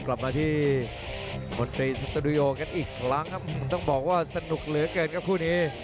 กลับมาที่มนตรีสตูดิโอกันอีกครั้งครับต้องบอกว่าสนุกเหลือเกินครับคู่นี้